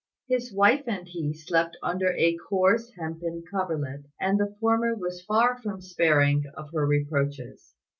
His wife and he slept under a coarse hempen coverlet, and the former was far from sparing of her reproaches.